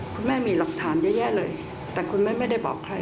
คุณแม่มีหลักฐานเยอะแยะเลยแต่คุณแม่ไม่ได้บอกใคร